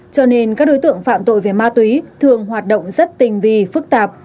cho nên các đối tượng phạm tội về ma túy thường hoạt động rất tình vi phức tạp